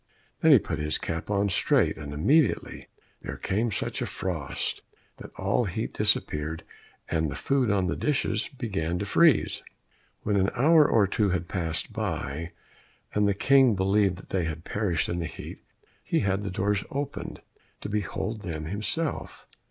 Then he put his cap on straight, and immediately there came such a frost that all heat disappeared, and the food on the dishes began to freeze. When an hour or two had passed by, and the King believed that they had perished in the heat, he had the doors opened to behold them himself.